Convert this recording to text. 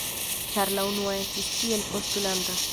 Ĉar la unua estis tiel postulanta.